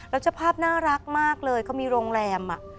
แล้วเจ้าภาพน่ารักมากเลยเขามีโรงแรม